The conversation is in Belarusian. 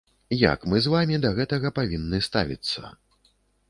Як мы з вамі да гэтага павінны ставіцца?